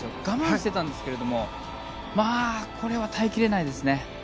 我慢してたんですけどこれは耐えきれないですね。